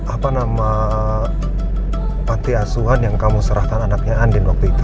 apa nama panti asuhan yang kamu serahkan anaknya andin waktu itu